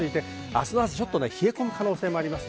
明日は冷え込む可能性もあります。